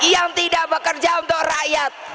yang tidak bekerja untuk rakyat